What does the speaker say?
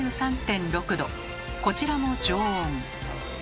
こちらも常温。